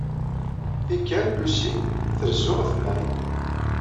Tikkal, Lucy trezzu ɣef May.